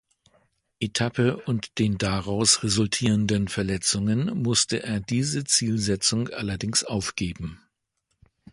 Etappe und den daraus resultierenden Verletzungen musste er diese Zielsetzung allerdings aufgeben.